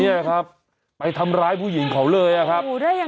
เนี่ยครับไปทำร้ายผู้หญิงเขาเลยอะครับ